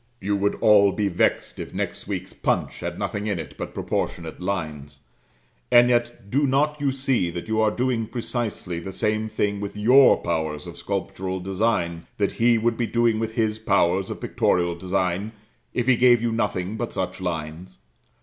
You would all be vexed if next week's Punch had nothing in it but proportionate lines. And yet, do not you see that you are doing precisely the same thing with your powers of sculptural design that he would be doing with his powers of pictorial design, if he gave you nothing but such lines.